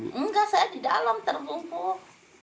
enggak saya di dalam terpungut